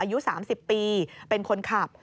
อายุ๓๐ปีเป็นคนขับ